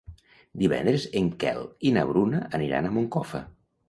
Divendres en Quel i na Bruna aniran a Moncofa.